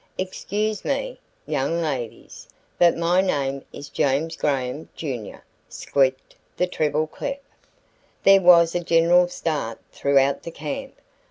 "Excuse me, young ladies, but my name is James Graham, Jr.," squeaked the treble clef. There was a general start throughout the camp.